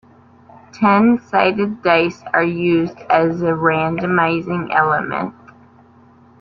Ten sided dice are used as a randomizing element.